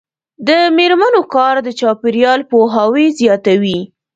د میرمنو کار د چاپیریال پوهاوي زیاتوي.